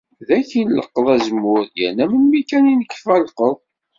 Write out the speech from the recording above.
Dagi i nleqqeḍ azemmur, yerna melmi kan i nekfa llqeḍ.